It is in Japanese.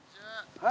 はい